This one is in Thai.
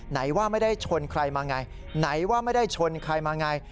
ไหนว่าไม่ได้ชนใครมาไงไหนว่าไม่ได้ชนใครมาไง